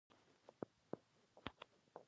د ملت لپاره یووالی اړین دی